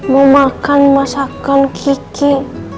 mau makan masakan kiki